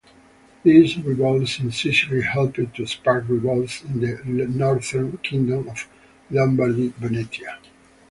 These revolts in Sicily helped to spark revolts in the northern Kingdom of Lombardy-Venetia.